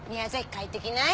帰ってきない。